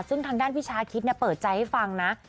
ซึ่งทางด้านพี่ชาคิดเปิดใจให้ฟังนะ